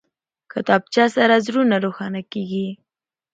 کتابچه سره زړونه روښانه کېږي